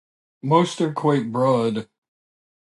Most are quite broad.